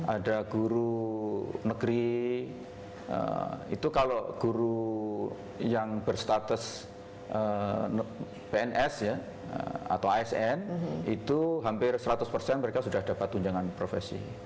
ada guru negeri itu kalau guru yang berstatus pns ya atau asn itu hampir seratus persen mereka sudah dapat tunjangan profesi